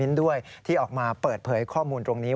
ด้วยที่ออกมาเปิดเผยข้อมูลตรงนี้